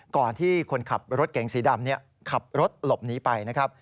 ก่อนที่คนขับรถเกร็งสีดำขับรถหลบหนีไป